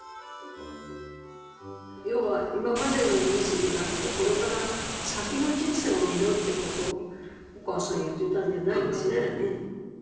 要は今までの人生じゃなくてこれから先の人生を見ろってことをお母さん言ってたんじゃないかね。